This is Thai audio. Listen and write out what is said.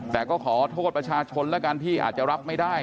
แต่ก็ขอโทษประชาชนแล้วกันที่อาจจะรับไม่ได้